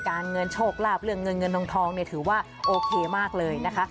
เงินโชคลาภเรื่องเงินเงินทองเนี่ยถือว่าโอเคมากเลยนะคะ